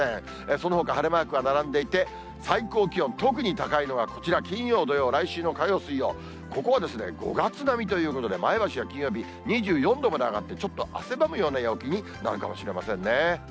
そのほか晴れマークが並んでいて、最高気温、特に高いのはこちら、金曜、土曜、来週の火曜、水曜、ここは５月並みということで、前橋は金曜日、２４度まで上がって、ちょっと汗ばむような陽気になるかもしれませんね。